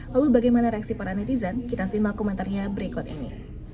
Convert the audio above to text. lalu bagaimana reaksi para netizen kita simak komentarnya berikut ini